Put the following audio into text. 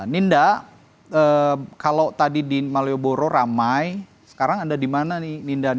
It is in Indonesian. ninda kalau tadi di malioboro ramai sekarang anda di mana nih ninda